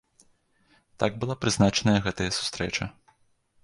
Так была прызначаная гэтая сустрэча.